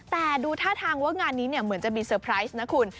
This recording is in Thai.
แต่ดูท่าทางว่างานนี้เหมือนจะมีเซอร์ไพรส์นะคุณ